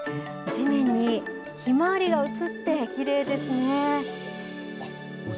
地面にひまわりが映って、きれいですね。